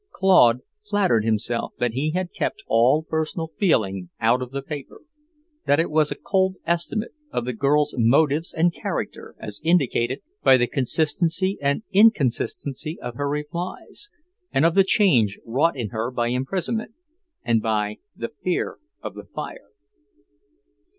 Claude flattered himself that he had kept all personal feeling out of the paper; that it was a cold estimate of the girl's motives and character as indicated by the consistency and inconsistency of her replies; and of the change wrought in her by imprisonment and by "the fear of the fire."